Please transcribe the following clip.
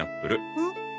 うん？